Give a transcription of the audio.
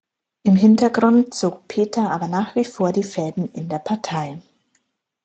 Im Hintergrund zog Peter aber nach wie vor die Fäden in der Partei.